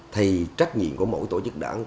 thì trách nhiệm của mỗi tổ chức đảng